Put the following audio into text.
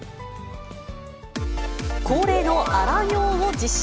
恒例の荒行を実施。